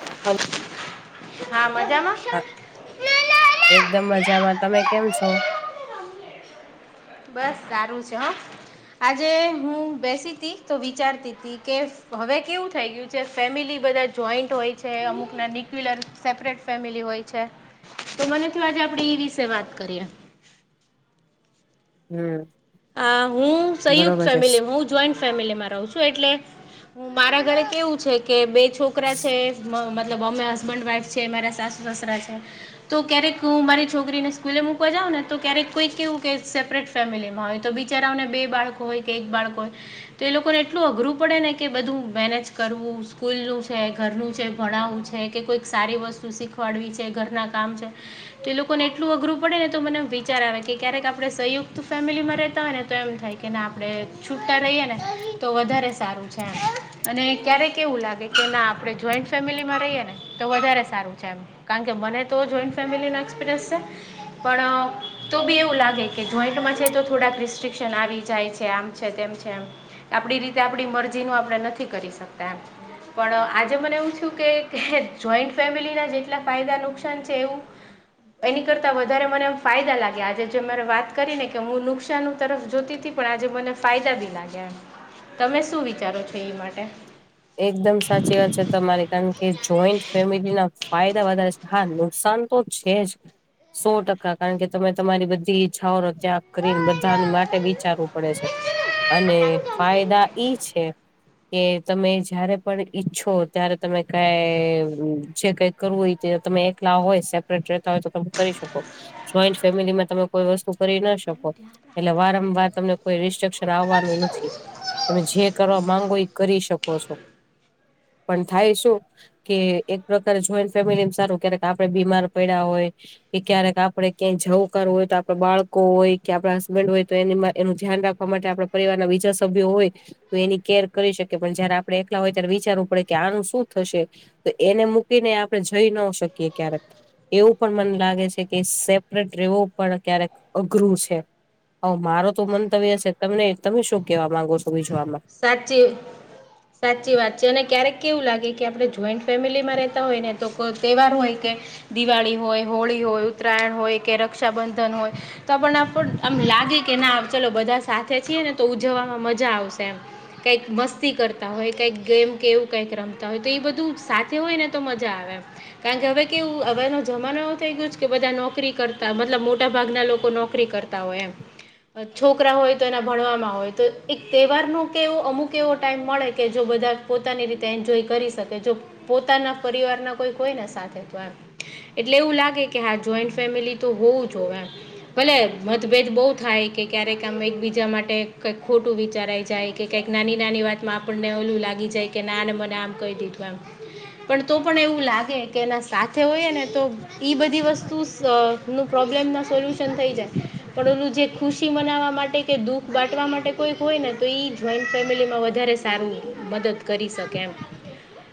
[unintelligible] હા હા મજામાં એકદમ મજામાં તમે કેમ છો બસ સારું છે હા આજે હું બેસી ત તો વિચારતી ત કે હવે કેવું થઈ ગયું જે ફેમિલી બધા જોઈન્ટ હોય છે અમુકના ન્યુક્યુલર સેપરેટ ફેમિલી હોય છે તો મનેથી આજે આપે ઈ વિશે વાત કરીએ હમ આ હું સંયુક્ત બરોબર છે ફેમિલી હું જોઈન્ટ ફેમિલીમાં રહું છું એટલે હું મારા ઘરે કેવું છે કે બે છોકરા છે મતલબ અમે હસબન્ડ વાઈફ છે મારા સાસ દુસરા છે તો ક્યારેક હું મારી છોકરીને સ્કૂલે મૂકવા જાઉં ને તો ક્યારેક કોઈ કેવું કે સેપરેટ ફેમિલીમાં હોય તો બિચારાઓને બે બાળકો હોય કે એક બાળકો હોય તો એ લોકોને એટલું અઘરું પડે ને કે બધું મેનેજ કરવું સ્કૂલનું છે ઘરનું છે ભણાવું છે કે કોઈક સારી વસ્તુ શીખવાડવી છે ઘરના કામ છે તો એ લોકો ને એટલું અઘરું પડે ને તો મને વિચાર આવે કે ક્યારેક આપણે સંયુક્ત ફેમિલીમાં ને તો એમ થાય કે આપડણે છૂટા રહીએ ને તો વધારે સારું છે અને ક્યારેક એવું લાગે કે ના આપણે જોઈન્ટ ફેમિલી માં રહીએે ને તો વધારે સારું છે એમ કારણ કે મને તો જોઈન્ટ ફેમિલી ન એક્સપિરયન્સ છે પણ તો બી એવું લાગે કે જોઈન્ટમાં છે તો થોડા કસ્ શિક્ષા આવી જાય છે આમ છે તેમ છે આપડી રીતે, આપણી મરજી નું આપણે નથી કરી શકતા, એમ. પણ આજે મને એવું થયું કે, જોઈન્ટ ફેમિલી ના જેટલા ફાયદા, નુકસાન છે, એવું. એની કરતા વધારે મને એમ ફાયદા લાગ્યા આજે, જે મેરે વાત કરીને કે, હું નુકસાન તરફ જોતી, પણ આજે મને ફાયદા બી લાગ્યા, એમ. તમે શું વિચારો છો એ માટે? એકદમ સાચી વાત છે તમારી, કારણ કે જોઈન્ટ ફેમિલી ના ફાયદા વધારે. હા, નુકસાન તો છે જ. [unintelligible] સો ટકા કારણ કે તમે તમારી બધી ઈચ્છાઓનો ત્યાગ કરીને, બધા માટે વિચારવું પડે છે. અને ફાયદા ઈ છે કે તમે જયારે પણ ઈચ્છો ત્યારે, તમે કંઈ જે કંઈ કરવું તમે એકલા હોય, સેપરેટ રહેતા હોય, તો તમે કરી શકો. જોઈન્ટ ફેમિલીમાં, તમે કોઈ વસ્તુ કરી ના શકો, એટલે વારંવાર તમને કોઈ રિસ્ટ્રિકક્શન આવવાનું નથી. તમે જે કરવા માંગો, એ કરી શકો છો. પણ થાય શું? કે એક પ્રકારે, જોઈન્ટ ફેમિલીમાં સારું. ક્યારેક આપડે બીમાર પડ્યા હોય. કે ક્યારેક આપડે ક્યાંય જવું કરું હોય, તો આપડા બાળકો હોય કે આપડા હસબન્ડે હોય, તો એ એનું ધ્યાન રાખવું. આપવા માટે, આપણા પરિવાર ના બીજા સભ્યો હોય, તો એની કેર કરી શકે. પણ જયારે આપડે એકલા હોય, ત્યારે વિચારવું પડે કે, આનું શું થશે? તો એને મૂકીને આપણે જઈ ન શકીએ ક્યારેક. એવું પણ મને લાગે છે કે, સેપરેટ રહેવો પણ ક્યારેક અઘરું છે. હા, મારો તો મંતવ્ય છે. તમને તમે શું કેવા માંગો છો બીજું, આમાં? સાચી. સાચી વાત છે. અને ક્યારેક કેવું લાગે કે, આપણે જોઈન્ટ ફેમિલીમાં રહેતા હોય ને, તો કોઈ તહેવાર હોય કે દિવાળી હોય, હોળી હોય, ઉત્તરાયણ હોય કે રક્ષાબંધન હોય. તો આપનું આમ લાગે કે, ના, ચલો બધા સાથે છીએ ને, તો ઉજવવામાં મજા આવશે. છે. કંઈક મસ્તી કરતા હોય, કંઈક ગેમ કે એવું કંઈક રમતા હોય, તો એ બધું સાથે હોય ને, તો મજા આવે. કારણ કે હવે કેવું, હવે ન જમાનો એવ થઈ ગયો કે, બધા નોકરી કરતા, મતલબ મોટા ભાગના લોકો નોકરી કરતા. ય એ છોકરા હોય તો, એના ભણવામાં હોય તો એક સવારનું કેવું, અમુક એવો ટાઈમ મળે કે, જો બધાને પોતાની રીતે એન્જોય કરી શકે. પોતાના પરિવાર ના કોઈ કોઈને સાથે, તો. એટલે એવું લાગે કે, હા, જોઈન્ટ ફેમિલી તો હોવું જોવે એમ. ભલે મતભેદ બહુ થાય, કે ક્યારેક આમ એકબીજા માટે કઈ ખોટું વિચારાય. જાય, કે કંઈક નાની નાની વાતમાં આપણને ઓલું લાગી જાય કે, ના, મને આમ કહી દીધું, આમ પણ તો પણ એવું લાગે કે, એના સાથે હોય ને, તો ઈ બધી વસ્તુ નું પ્રોબ્લેમના સોલ્યુશન થઈ જાય. પણ ઓલું, જે ખુશી મનાવવા માટે કે દુઃખ બાટવા માટે કોઈક હોય ને. તો એ જોઈન્ટ ફેમિલીમાં વધારે સારું મદદ કરી શકે એમ.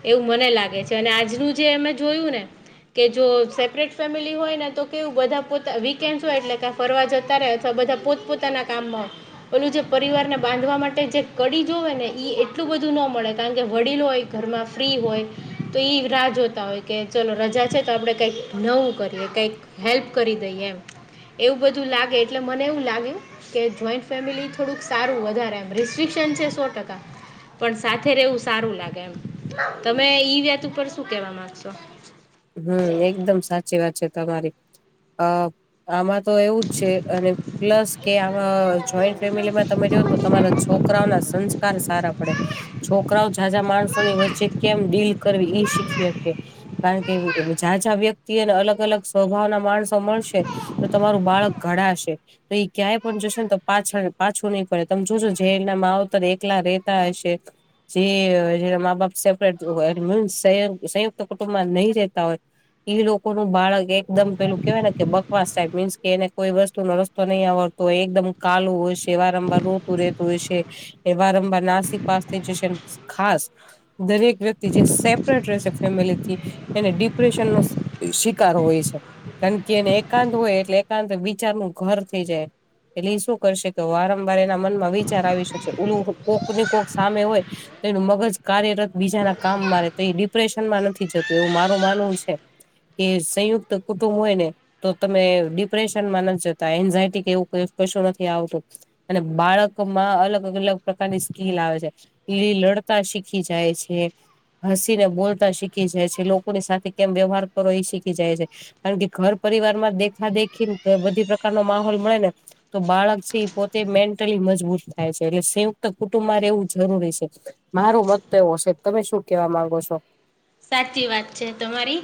એવું મને લાગે છે. અને આજનું જે એમે જોયું ને કે જો સેપરેટ ફેમિલી હોય ને, તો કેવું બધા પોતા વીકેન્ડસ હોય, એટલે ફરવા જતા રે, અથવા બધા પોતપોતાના કામમાં. પેલું જે પરિવારને બાંધ કરવા માટે જે કડી જો હોય ને, એટલું બધું ન મળે, કારણ કે વડીલો હોય, ઘરમાં ફ્રી હોય. તો ઈ રાહ જોતા હોય કે, ચલો, રજા છે, તો આપડે કંઈક નવું કરીએ, કંઈક હેલ્પ કરી દઈ એમ. એવું બધું લાગે. એટલે મને એવું લાગ્યું કે, જોઈન્ટ ફેમિલી થોડુંક સારું વધારે. રિસ્ટ્રિક્શન છે સો ટકા. પણ સાથે રહેવું સારું લાગે. એમ, તમે ઈ વત ઉપર શું કેવા માંગશો? હમ, એકદમ સાચી વાત છે તમારી. અ આમાં તો એવું જ છે અને પ્લસ કે આમા જોઈન્ટ ફેમિલીમાં તમે જો ને તો તમારા છોકરાઓ ના સં કાર સારા પડે છોકરાઓ જાઝા માણસોની વચ્ચે કેમ ડીલ કરવી ઈ શીખી હકે કારણ ઝાઝા વ્યક્તિ અને અલગ અલગ સ્વભાવના માણસો મળશે તો તમારું બાળક ઘડાશે તો એ ક્યાંય પણ જશે ને તો પાછળ પાછું નહી પડે તમે જોશો જે એના માવતર એકલા રેતા હશે જે જેના મા બાપ સેપરેટ સંયુક્ત કુટુંબમાં નહી જતા હોય ઈ લોકો ન બાળક એકદમ પેલું કેહેવાય ને કે બકવાસ સાહેબ મીન્સ કે એને કોઈ વસ્તુનો રસ્તો નહીં આવડ તો એકદમ કાલું હોય છે વારંવાર રઋતું રહેતું હોય છે એ વારંવાર નાસિક પાસેથી જશે ખાસ દરેક વ્યક્તિ જે સેપરેટ રહે છે ફેમિલી થી એને ડિપ્રેશન નો શિકાર હોય છે કારણ કે એને એકાંત હોય એટલે એકાંત વિચારનું ઘર થઈ જાય એટલે શું કરશે કે વારંવાર એના મનમાં વિચાર આવી શકશે ઓલું કોક કોક સામે હોય તોનું મગજ કાર્યરત બીજાના કામ મારે તો એ ડિપ્રેશન માં નથી જ તો એવું મારુ માનવું છે કે સંયુક્ત કુટુંબ હોય ને તો તમે ડિપ્રેશનમાં નથ જતા એન્ઝાયટી કે એવું કશું નથી આવતું અને બાળક માં અલગ અલ અલગ પ્રકારની સ્કીલ આવે છે લીલી લડતા શીખી જાય છે હસી ને બોલતા શીખી જાય છે કે લોકોની સાથે કેમ વ્યવહાર કરો એ શીખી જાય છે કારણ કે ઘર પરિવાર માં દેખા દેખીને બધી પ્રકારનો માહોલ મળે ને તો બાળક છે એ પોતે મેન્ટલી મજબૂત થાય છે એટલે સંયુક્ત કુટુંબમાં રહેવું જરૂરી છે મારો મત તો એવો છે તમે શું કેવા માંગો છો સાચી વાત છે તમારી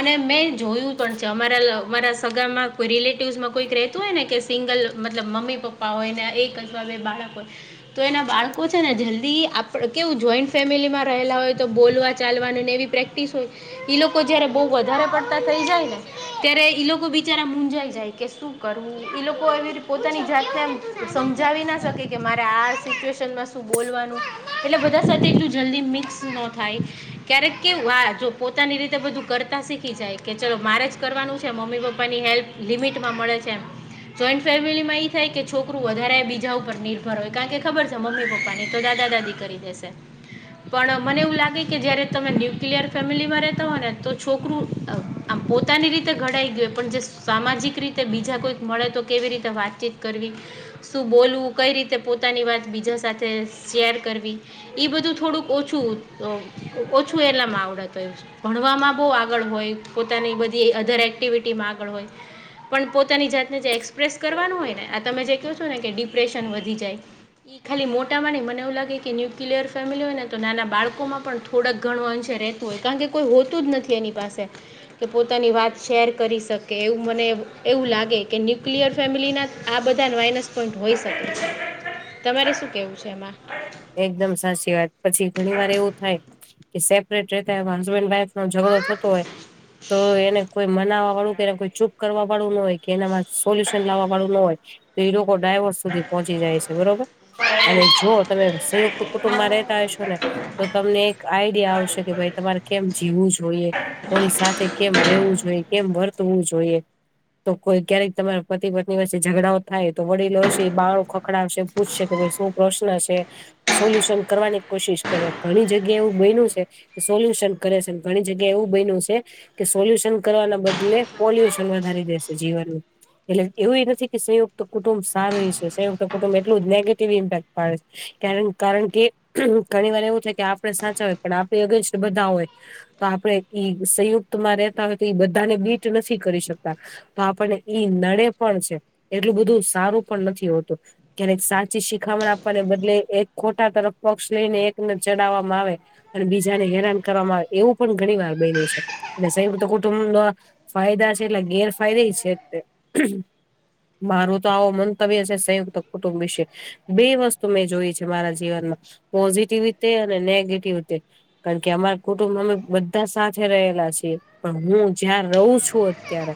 અને મેં જોયું પણ છે અમારા લ મારા સગામાં કોઈ રિલેટિવસમાં કોઈક રેતું હોય ને કે સિંગલ મતલબ મમ્મી પપ્પા હોય ને એક [unintelligible] બાળકો તો એના બાળકો છે ને જલ્દી કેવું જોઈન્ટ ફેમિલી માં રહેલા હોય તો બોલવા ચાલવાનુંને એવી પ્રેક્ટિસ હોય ઈ લોકો જયારે બહુ વધારે પડતા થઈ જાય ને ત્યારે ઈ લોકો બિચારા મુંજાઈ જાય કે શું કરવું ઈ લોકો એતે પોતાની જાતને એમ સમજાવી ના શકે કે મારે આ સિચ્યુએશનમાં શું બોલવાનું એટલે બધા સાથે એકલું જલ્દી મિક્સ ન થાય ક્યારેક કેવું હા જો પોતાની રીતે બધું કરતા શીખી જાય કે ચલો મારે જ કરવાનું છે મમ્મી પપ્પાની હેલ્પ લિમિટમાં મળે છે એમ જોઈન્ટ ફેમિલી માં ઈ થાય કે છોકરું વધારે બીજા ઉપર નિર્ભર હોય કારણ કે ખબર છે મમ્મી પપ્પા નહી તો દાદા દાદી કરી દેશે પણ મને એવું લાગે કે જયારે તમે ન્યુક ન્ક્લિયર ફેમિલીમાં રહતા હોય ને તો છોકરું આમ પોતાની રીતે ઘડાઈ ગયું પણ જે સામાજિક રીતે બીજા કોઈક મળે તો કેવી રીતે વાતચીત કરવી શું બોલવું કઈ રીતે પોતાની વાત બીજા સાથે શેર કરવી એ બધું થોડુંક ઓછું ઓછું એલા આવડત હોય, ભણવામાં બો આગળ હોય, પોતાની બધી અધર એક્ટિવિટીમાં આગળ હોય પણ પોતાની જાતને જે એક્સપ્રેસ કરવાનું હોય ને આ તમે જે કહો છો ને કે ડિપ્રેશન વધી જાય એ ખાલી મોટામાં નહી મને એવું લાગે કે ન્યુક્લિયર ફેમિલી હોય ને તો નાના બાળકો માં પણ થોડાક ઘણો અંશ રેતું હોય કારણ કે કોઈ હોતું જ નથી એની પાસે કે પોતાની વાત શેર કરી શકે એવું મને એવું લાગે કે ન્યુક્લિયર ફેમિલીના આ બધા માઇનસ પોઈન્ટ હોય શકે છે, તમારે શું કેવું છે એમાં? એકદમ સાચી વાત પછી ઘણી વાર એવું થાય કે સેપરેટ રહેતા હસબેન્ડ વાઈફ નો ઝઘડો થતો હોય તો એને કોઈ મનાવા વાળું કે એને કોઈ ચૂપ કરવા વાળું ન હોય કે એનામાં સોલ્યુશન લાવવા વાળું ન હોય તો એ લોકો ડાઈવોસ સુધી પહોંચી જાય છે બરોબર અને જો તમે સંયુક્ત કુટુંબમાં રહેતા હશો ને તો તમને એક આઈડિયા આવશે કે ભાઈ તમારે કેમ જીવવું જોઈએ કોની સાથે કેમ રહેેવું જોઈએ, કેમ વર્તવું જોઈએ. તો કોઈ ક્યારેયક તમારા પતિ પત્ની વચે ઝઘડાઓ થાય તો વડીલો હશે બાળુ ખખડાવશે પૂછશે કે ભાઈ શું પ્રશ્ન છે. સોલ્યુશન કરવાની કોશિશ કરે ઘણી જગ્યા એવું બન્યું છે સોલ્યુશન કરે છે, ઘણી જગ્યા એવું બન્યું છે. કે સોલ્યુશન કરવાના બદલે પોલ્યુશન વધારી દેશે જીવનું એટલે એવુંય નથી કે સંયુક્ત કુટુંબ સારું છે, સંયુક્ત કુટુંબ એટલું જ નેગટિવ ઇમ્પેક્ટ પાડ છે કારણ કે ઘણી વાર એવું થાય કે આપડે સાચા હોય પણ આપણી અગેન્સ્ટ બધા હોય તો આપણે ઈ સંયુક્તમાં રહતા હોય તો એ બધાને બીટ નથી કરી શકતા તો આપણને ઈ નડે પણ છે એટલું બધું સારું પણ નથી હોતું. ક્યારેક સાચી શીખામણ આપવાને બદલે એક ખોટા તરફ પક્ષ લઈને એકને ચડાવવામાં આવે અને બીજાને હેરાન કરવામાં આવે એવું પણ ઘણી વાર બન્યું છે એટ સંયુક્ત કુટુંબ ન ફાયદા છે, એટલે ગેરફાયદે છે. મારુ તો આવો મંતવ્ય છે, સંયુક્ત કુટુંબ વિશે બે વસ્તુ તો મેં જોય છે મારા જીવનમાં પોઝિટિવ રીતે અને નેગેટિવ રીતે કારણ કે અમારા કુટુંબ અમે બધા સાથે રહેલા છીએ. પણ હું જ્યાં રહું છું અત્યારે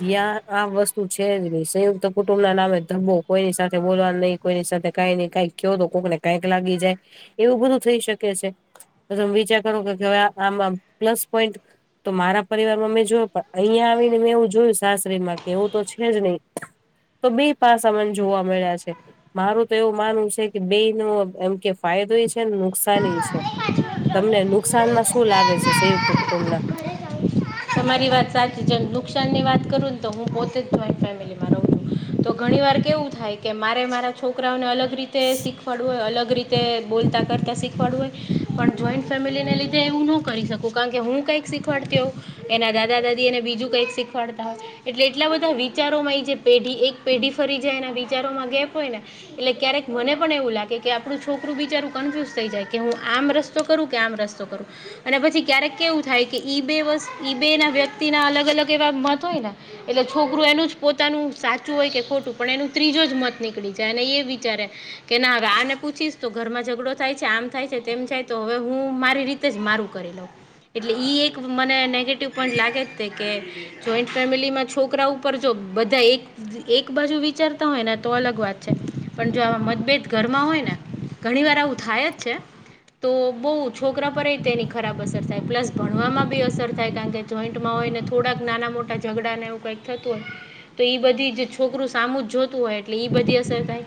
જ્યા આ વસ્તુ છે જ નહી સંયુક્ત કુટુંબ ના નામે ધબ્બો કોઈની સાથે બોલવા નહી કોઈની સાથે કઈ નઈ કઈ કયો તો કોકને કઈક લાગી જાય એવું બધું થઈ શકે છે. તો તમ વિચાર કરો કે આમાં પ્લસ પોઈન્ટ તો મારા પરિવારમાં મેં જોયો પણ અહિયાંયા આવીને મેં એવું જોયું સાસરીમાં કે એવું તો છે જ નહી તો બે પાસા મન જોવા મળ્યા છે મારું તો એવું માનવું છે કે બે નુ એમ કે ફાયદોય છે, નુકસાન છે. તમને નુકસાનમાં શું લાગે છે સંયુક્ત કુટુંબ ના તમારી વાત સાચી નુકસાન ની વાત કરું ને તો હું પોતે જ જોઈ ફેમિલીમાં રહું છું તો ઘણી વાર કેવું થાય કે મારે મારા છોકરાઓને અલગ રીતે શીખ શીખવાડું હોય અલગ રીતે બોલતાં કરતાં શીખવાડવું હોય પણ જોઈન્ટ ફેમિલીને લીધે એવું ન કરી શકું કારણ કે હું કંઈક શીખવાડતી હોં એના દાદા દાદી એને બીજું કંઈક શીખવાડતા હોય એટલે એટલા બધા વિચારોમાં એ જે પેઢી એક પેઢી ફરી જાય એના વિચારોમાં ગેપ હોય ને એટલે ક્યારેક મને પણ એવું લાગે કે આપણું છોકરું બિચારું કન્ફ્યુઝ થઈ જાય કે હું આમ રસ્તો કરું કે આમ રસ્તો કરું અને પછી ક્યારેક કેવું થાય કે ઈ બે વસ્ ઈ બે ના વ્યક્તિ ના અલગ અલગ એવા મત હોય ને એટલે છોકરું એનું જ પોતાનું સાચું હોય કે ખોટું પણ એનું ત્રીજો જ મત નીકળી જાય અનેને એ વિચારે કે ના હવે આને પૂછીશ તો ઘર માં ઝઘડો થાય છે આમ થાય છે તેમ થાય તો હવે હું મારી રીતે મારું કરી એટલે મને પણ લાગે જ કે જોઈન્ટ ફેમિલીમાં છોકરા ઉપર જો બધા એક એક બાજુ વિચારતા હોય ને તો અલગ વાત છે પણ જો આ મતભેદ ઘરમાં હોય ને ઘણી વાર આવું થાય જ છે તો બહુ છોકરા પર એ તેની ખરાબ અસર થાય પ્લસ ભણવામાં બી અસર થાય કારણ કે જોઈન્ટમાં હોય ને થોડાક નાના મોા ઝઘડા એવું કઈક થતું હોય તો બધી જ છોકરું સામું જ જોતું હોય એટલે બધી અસર થાય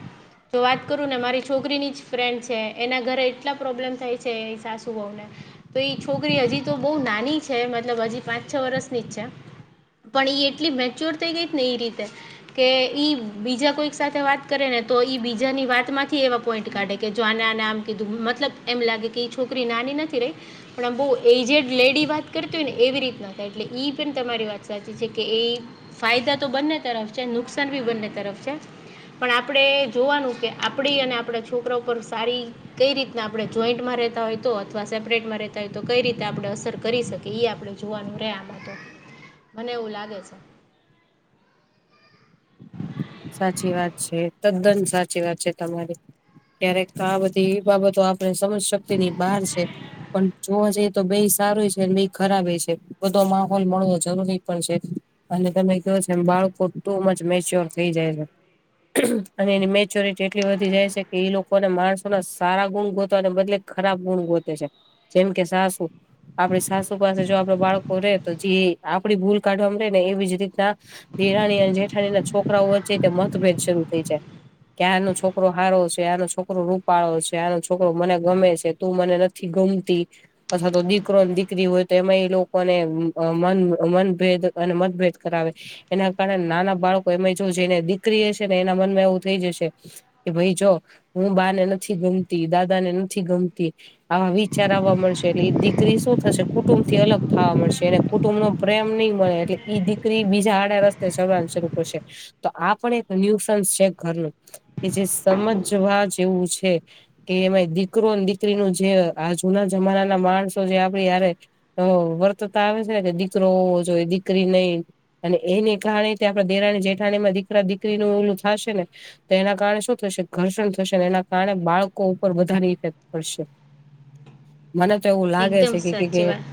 જો વાત કરું ને મારી છોકરીની જ ફ્રેન્ડ છે એના ઘરે એટલા પ્રોબ્લેમ થાય છે એ સાસુ બહઉ ને તો એ છોકરી હજી તો બહુ નાની છે મતલબ હજી પાંચ છ વર્ષની જ છે પણ એ એટલી મેચ્યોર થઈ ગઈ ને એ રીતે કે ઈ બીજા કોઈક સાથે વાત કરે ને તો ઈ બીજાની વાત માંથી એવા પોઈન્ટ કાઢે કે જો આ ના ના આમ કીધું મતલબ એમ લાગે કે છોકરી નાની નથી રહી પણ આ બહ એજેડ લેડી વાત કરતી હોય ને એવી રીતે નતા એટલે પણ તમારી વાત સાચી છે કે એ ફાયદા તો બંને તરફ છે, નુકસાન ભી બંને તરફ છે. પણ આપણેે જોવાનું કે આપડી અને આપડા છોકરા પર સારી કઈ રીતના આપણે જોઈન્ટમાં રેતા હોય તો અથવા સેપરેટમાં રેતા હોય તો કઈ રીતે આપણે અસર કરી શકીએ ઈ આપડે જોવાનું રે આમાં તો મને એવું લાગે છે. સાચી વાત છે, તદ્દન સાચી વાત છે, તમારી ક્યારેક આ બધીબાબતો આપણે સમજ શક્તિની બહાર છે. પણ જોવા જએ તો બે સારું છે, બે ખરાબ છે. બધો માહોલ મળવો જરૂરી પણ છે, અને તમે કયો છે, એમ બાળકો ટુમજ મેચ્યોર થઈ જાય છે. અને એની મેચ્યોરિટી એટલી વધી જાય છે, કે એ લોકોને માણસોના સારા ગુણ ગોતાને બદલે ખરાબ ગુણ ગોતે છે, જેમ કે સાસુ આપણી સાસુ પાસે જો આપડે બાળકો રે તો જે આપડી ભૂલ કાઢવાવામાં રે ને એવી જ રીતના દેરાણી અને જેઠાણીના છોકરાઓ વચ્ચે તે મતભેદ શરૂ થઈ જાય કે આનો છોકરો હારો છે, આનો છોકરો રૂપાળો છે, આનો છોકરો મને ગમે છે. તુ મને નથી ગમતી અથવા તો દીકરો દીકરી હોય તો એમાં લોકોને અ મન મનભેદ અને મતભેદ કરાવે એના કારણે નાના બાળકો એમે જો જેને દીકરી હશે ને એના મનમાં એવું થઈ જશે કે ભાઈ જો હું બાને નથી ગમતી દાદા ને નથી ગમતી આવા વિચાર આવવા મળશે એટલે એ દીકરીશું થશે કુટુંબથી અલગ થાવા મળશે એને કુટુંબનો પ્રેમ ની મળે એટલે ઈ દીકરી બીજા આડે રસ્તે ચદવાન શરૂ [unintelligible] તો આ પણ એક ન્યુસન્સ છે, ઘરનું કે જે સમજવા જેવું છે. કે એમાં દીકરો દીકરીનું જે આ જુના જમાનાના માણસો જે આપડી હારે વર્તતા આવે છે, કે દીકરો હોવો જોઈએ દીકરી નહી અને એને કારણે ત્યાં દેરાણી જેઠાણી એમાં દીકરા દીકરીનું ઓલું થાશે ને તો એના કારણે શું થશે ઘર્ષણ થશે એના કારણે બાળકો ઉપર વધારે ઇફેક્ટ પડશે [unintelligible] મને તો એવું લાગે એકદમ છે કે કે સાચી વાત